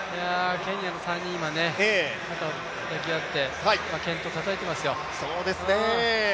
ケニアの３人、肩を抱き合って健闘をたたえていますよ。